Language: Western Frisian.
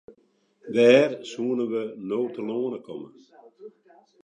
Wêr soenen we no telâne komme?